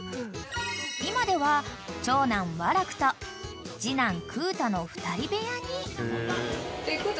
［今では長男和楽と次男空太の２人部屋に］